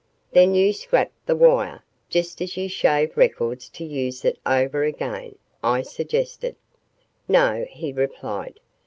"Then you scrape the wire, just as you shave records to use it over again?" I suggested. "No," he replied.